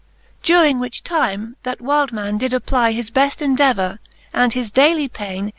XVI. During which time, that wyld man did apply His beft endevour, and his daily paine.